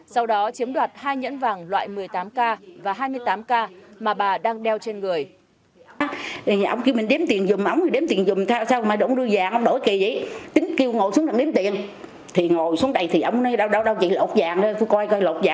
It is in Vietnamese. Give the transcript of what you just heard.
sau đó chiếm đoạt hai nhẫn vàng loại một mươi tám k và hai mươi tám k mà bà đang đeo trên người